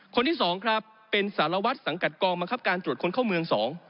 คนที่๒ครับเป็นสารวัตรสังกัดกองบังคับการตรวจคนเข้าเมือง๒